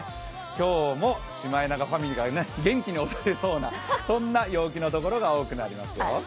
今日もシマエナガファミリーが元気に踊れそうなそんな陽気のところが多くなりそうですよ。